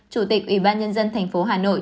chủ tịch ủy ban nhân dân tp hà nội